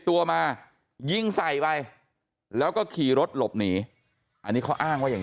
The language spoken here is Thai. ตัวมายิงใส่ไปแล้วก็ขี่รถหลบหนีอันนี้เขาอ้างว่าอย่าง